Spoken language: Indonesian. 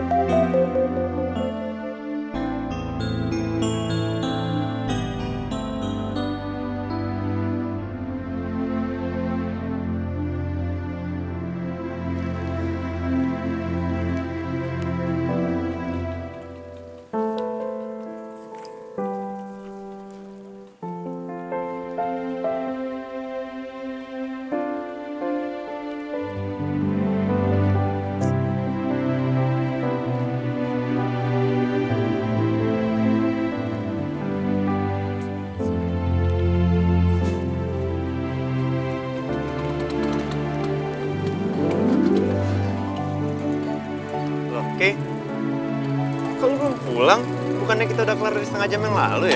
kau belum pulang bukannya kita udah kelar di setengah jam yang lalu ya